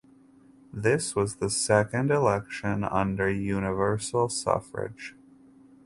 This was the second election under universal suffrage.